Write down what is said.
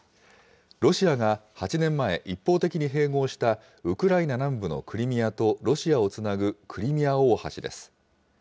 ロシアが８年前、一方的に併合したウクライナ南部のクリミアとロシアをつなぐクリミア大橋です。